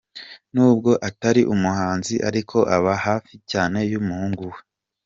Nubwo atari umuhanzi ariko aba hafi cyane y’umuhungu we.